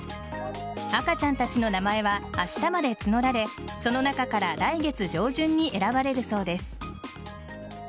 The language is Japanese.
赤ちゃんたちの名前は明日まで募られその中から来月上旬に選ばれるそうです。